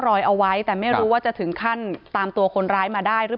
รอยเอาไว้แต่ไม่รู้ว่าจะถึงขั้นตามตัวคนร้ายมาได้หรือ